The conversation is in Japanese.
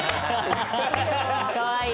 かわいい。